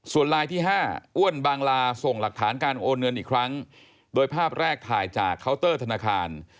ส่วนลายที่๕อ้วนบางลาส่งหลักฐานการโอนเงินอีกครั้งโดยภาพแรกถ่ายจากเคาน์เตอร์ธนาคาร